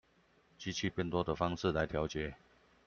機器變多的方式來調節